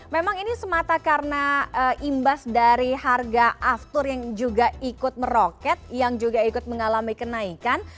memang ini semata karena imbas dari harga aftur yang juga ikut meroket yang juga ikut mengalami kenaikan